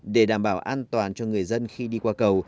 để đảm bảo an toàn cho người dân khi đi qua cầu